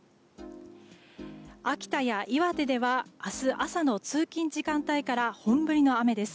秋田や岩手では明日朝の通勤時間帯から本降りの雨です。